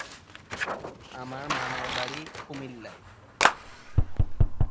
আমার মামার বাড়ি কুমিল্লায়।